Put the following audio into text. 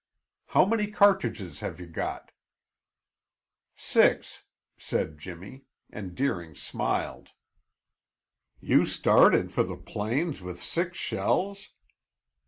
How many cartridges have you got?" "Six," said Jimmy and Deering smiled. "You started for the plains with six shells!